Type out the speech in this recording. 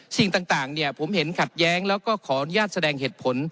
สิ่งต่างผมเห็นขัดแย้งแล้วก็ขออนุญาตแสดงเหตุผล